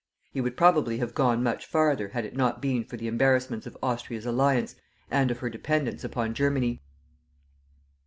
He would probably have gone much farther had it not been for the embarrassments of Austria's alliance and of her dependence upon Germany.